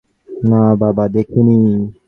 না বাবা, দেখিনি।